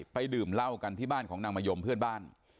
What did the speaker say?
ดื่มเหล้ากันที่บ้านของนางมะยมเพื่อนบ้าน